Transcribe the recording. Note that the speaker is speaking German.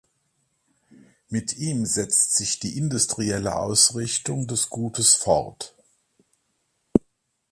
Mit ihm setzt sich die industrielle Ausrichtung des Gutes fort.